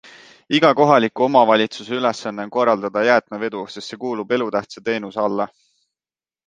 Iga kohaliku omavalitsuse ülesanne on korraldada jäätmevedu, sest see kuulub elutähtsa teenuse alla.